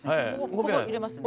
ここ入れますね。